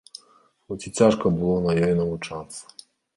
Хоць і цяжка было на ёй навучацца.